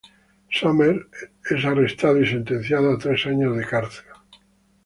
Sommer es arrestado y sentenciado a tres años de cárcel.